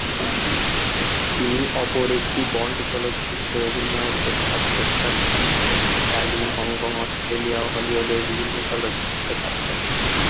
তিনি অপর একটি বন্ড চলচ্চিত্রে অভিনয়ের প্রস্তাব প্রত্যাখ্যান করে ইতালি, হংকং, অস্ট্রেলিয়া ও হলিউডের বিভিন্ন চলচ্চিত্রে কাজ করেন।